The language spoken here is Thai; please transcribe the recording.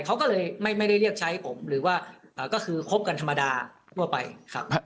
เขาก็เลยไม่ได้เรียกใช้ผมหรือว่าก็คือคบกันธรรมดาทั่วไปครับ